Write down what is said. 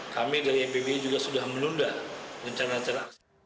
kami dari mpb juga sudah menunda rencana rencana aksi